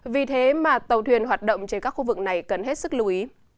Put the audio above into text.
vì thế mà tàu thuyền hoạt động trên các khu vực này cần hết sức lưu ý